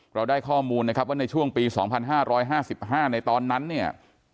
เราได้ข้อมูลนะครับว่าในช่วงปี๒๕๕๕ในตอนนั้นเนี่ย